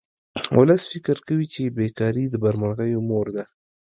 ولس فکر کوي چې بې کاري د بدمرغیو مور ده